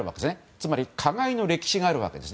つまり加害の歴史があるわけです。